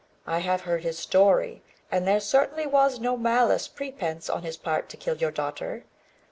I have heard his story, and there certainly was no malice prepense on his part to kill your daughter.